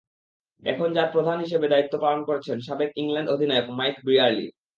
এখন যার প্রধান হিসেবে দায়িত্ব পালন করছেন সাবেক ইংল্যান্ড অধিনায়ক মাইক ব্রিয়ারলি।